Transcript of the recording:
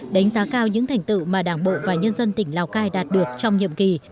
đánh giá cao những thành tựu mà đảng bộ và nhân dân tỉnh lào cai đạt được trong nhiệm kỳ